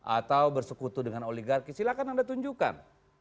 atau bersekutu dengan oligarki silahkan anda tunjukkan